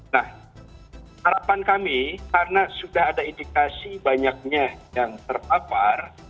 nah harapan kami karena sudah ada indikasi banyaknya yang terpapar